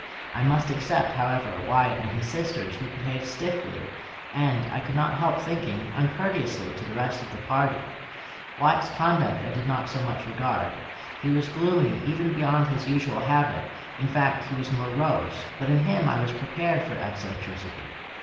I must except, however, Wyatt and his sisters, who behaved stiffly, and, I could not help thinking, uncourteously, to the rest of the party. Wyatt's conduct I did not so much regard. He was gloomy, even beyond his usual habit, in fact, he was morose; but in him I was prepared for eccentricity.